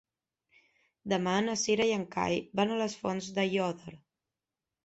Demà na Cira i en Cai van a les Fonts d'Aiòder.